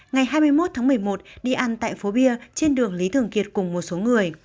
ngày hai mươi một tháng một mươi một đi ăn tại phố bia trên đường lý thường kiệt cùng một số người